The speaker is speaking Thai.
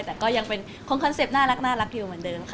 แล้วก็ยังคิดว่าคอนเซ็ปต์น่ารักติ๊วค์เหมือนเดิมค่ะ